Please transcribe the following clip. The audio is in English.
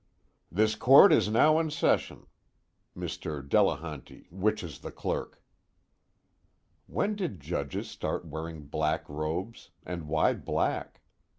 "This Court is now in session." Mr. Delehanty which is the clerk. _When did judges start wearing black robes, and why black?